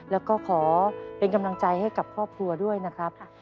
แล้วก็ขอเป็นกำลังใจให้กับครอบครัวด้วยนะครับ